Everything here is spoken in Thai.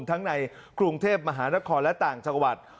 ในกรุงเทพมหานครและต่างจังหวัด